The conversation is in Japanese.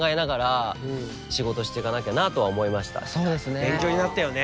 勉強になったよね。